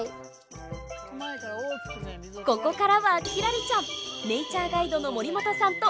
ここからは輝星ちゃん